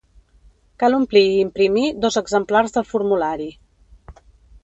Cal omplir i imprimir dos exemplars del formulari.